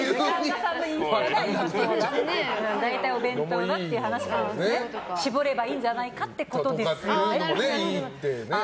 大体お弁当だっていう話から絞ればいいんじゃないかってことですよね。